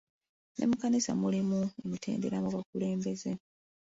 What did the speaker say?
Ne mu kkanisa mulimu emitendera mu bukulembeze.